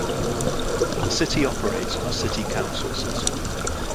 The city operates on a City Council system.